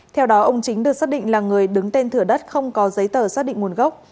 theo đó ông chính được xác định là người đứng tên thửa đất không có giấy tờ xác định nguồn gốc